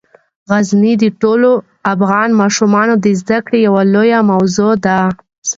غزني د ټولو افغان ماشومانو د زده کړې یوه لویه موضوع ده.